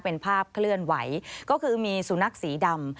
เป็นภาพเคลื่อนไหวก็คือมีสุนัขสีดำ